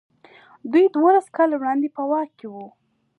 دوی دولس کاله وړاندې په واک کې وو.